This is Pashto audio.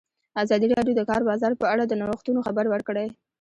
ازادي راډیو د د کار بازار په اړه د نوښتونو خبر ورکړی.